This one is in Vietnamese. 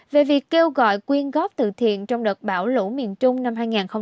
về việc kêu gọi quyên góp từ thiện trong đợt bão lũ miền trung năm hai nghìn hai mươi